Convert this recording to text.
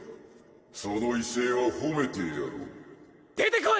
「その威勢はほめてやろう」出てこい！